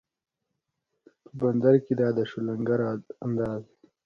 په بندر کې دا دی شو لنګر اندازه